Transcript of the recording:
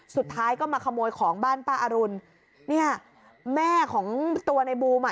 สุดท้ายก็มาขโมยของบ้านป้าอรุณเนี่ยแม่ของตัวในบูมอ่ะ